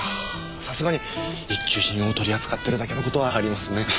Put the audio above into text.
さすがに一級品を取り扱ってるだけの事はありますね。